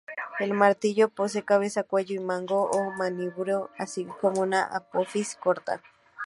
El martillo posee cabeza, cuello y mango o manubrio, así como una apófisis corta.